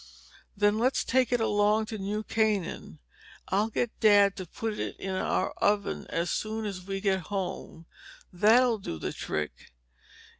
"Then let's take it along to New Canaan. I'll get Dad to put it in our oven as soon as we get home. That'll do the trick.